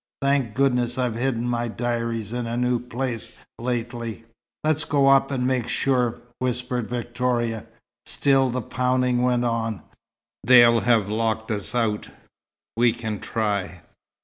Thank goodness I've hidden my diaries in a new place lately!" "Let's go up and make sure," whispered Victoria. Still the pounding went on. "They'll have locked us out." "We can try."